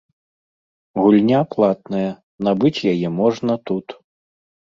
Гульня платная, набыць яе можна тут.